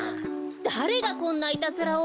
だれがこんないたずらを！